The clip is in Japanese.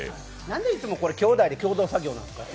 何でいつも共同作業なんですか？